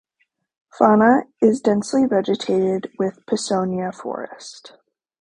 Fana is densely vegetated with "Pisonia" forest.